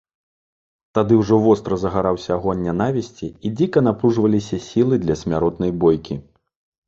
Тады ўжо востра загараўся агонь нянавісці і дзіка напружваліся сілы для смяротнай бойкі.